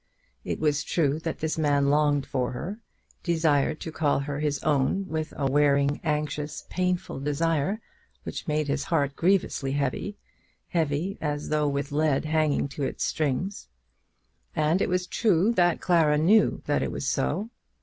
It was true that this man longed for her, desired to call her his own, with a wearing, anxious, painful desire which made his heart grievously heavy, heavy as though with lead hanging to its strings; and it was true that Clara knew that it was so.